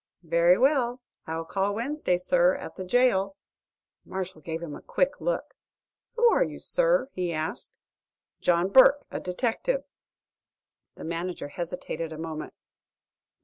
"Very well, I'll call Wednesday, sir, at the jail." Marshall gave him a quick look. "Who are you, sir?" he asked. "John Burke, a detective." The manager hesitated a moment.